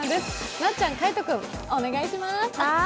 なっちゃん、海音君お願いします。